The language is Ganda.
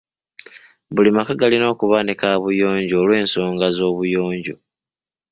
Buli maka galina okuba ne kaabuyonjo olw'ensonga z'obuyonjo.